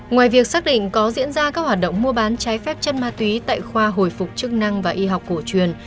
ngoài việc xác định có diễn ra các hoạt động mua bán trái phép chân ma túy tại khoa hồi phục chức năng và y học cổ truyền